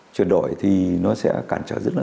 chuyển đổi thì nó sẽ cản trở rất lớn